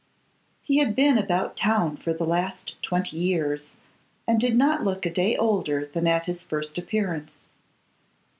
He had been about town for the last twenty years, and did not look a day older than at his first appearance.